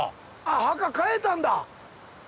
墓変えたんだ。